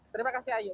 terima kasih ayu